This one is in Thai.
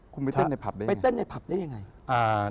คุณไปเต้นในพลับได้อย่างไร